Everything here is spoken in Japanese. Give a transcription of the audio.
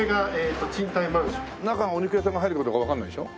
中お肉屋さんが入るかどうかわかんないでしょ？